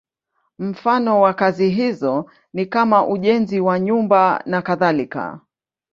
Mfano wa kazi hizo ni kama ujenzi wa nyumba nakadhalika.